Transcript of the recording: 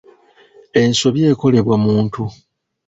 Ensobi ekolebwa muntu.